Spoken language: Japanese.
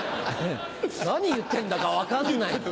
何言ってんだか分かんない。